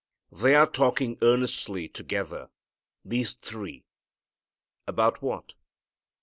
They are talking earnestly together, these three, about what?